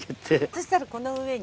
そしたらこの上に。